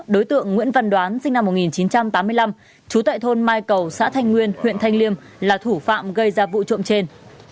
đối tượng nguyễn văn đoán sinh năm một nghìn chín trăm tám mươi năm trú tại thôn mai cầu xã thanh nguyên huyện thanh liêm là thủ phạm gây ra vụ trộm trên